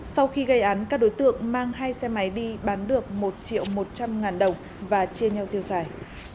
sau khi gây án các đối tượng mang hai xe máy đi bán được một triệu một trăm linh ngàn đồng và chia nhau tiêu giải